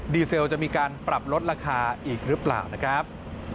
เซลจะมีการปรับลดราคาอีกหรือเปล่านะครับ